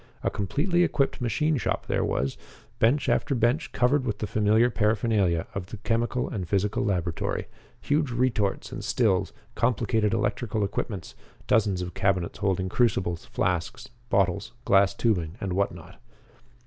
A completely equipped machine shop there was; bench after bench covered with the familiar paraphernalia of the chemical and physical laboratory; huge retorts and stills; complicated electrical equipments; dozens of cabinets holding crucibles, flasks, bottles, glass tubing, and what not.